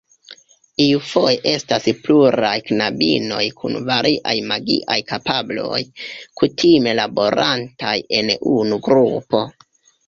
Iufoje estas pluraj knabinoj kun variaj magiaj kapabloj, kutime laborantaj en unu grupo.